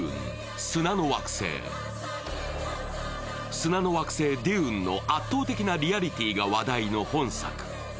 砂の惑星デューンの圧倒的なリアリティーが話題の本作。